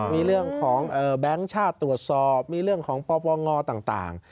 มีเรื่องของแบงค์ชาติตรวจสอบมีเรื่องของปปงต่าง